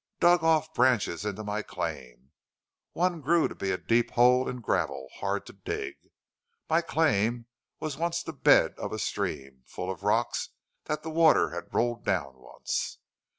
Dug off branches into my claim. One grew to be a deep hole in gravel, hard to dig. My claim was once the bed of a stream, full of rocks that the water had rolled down once.